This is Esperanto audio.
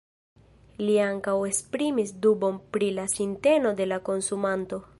Li ankaŭ esprimis dubon pri la sinteno de la konsumanto.